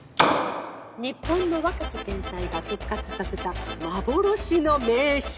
日本の若き天才が復活させた幻の銘酒。